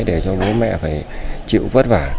để cho bố mẹ phải chịu vất vả